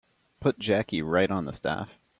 Put Jackie right on the staff.